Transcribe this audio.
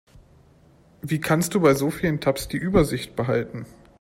Wie kannst du bei so vielen Tabs die Übersicht behalten?